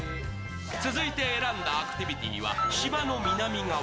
続いて選んだアクティビティーは島の南側。